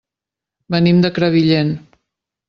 Venim de Crevillent.